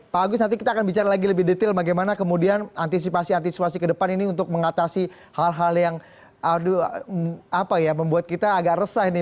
pak agus nanti kita akan bicara lagi lebih detail bagaimana kemudian antisipasi antisipasi ke depan ini untuk mengatasi hal hal yang membuat kita agak resah nih